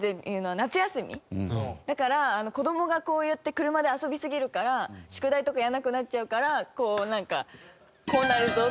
だから子供がこうやって車で遊びすぎるから宿題とかやらなくなっちゃうからこうなんか「こうなるぞ！」っていうか。